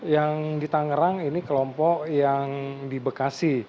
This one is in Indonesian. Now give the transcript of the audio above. yang di tangerang ini kelompok yang di bekasi